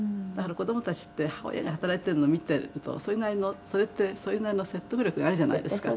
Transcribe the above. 「子供たちって母親が働いているのを見ているとそれってそれなりの説得力があるじゃないですか」